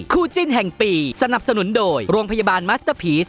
จิ้นแห่งปีสนับสนุนโดยโรงพยาบาลมัสเตอร์พีช